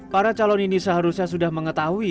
para calon ini seharusnya sudah mengetahui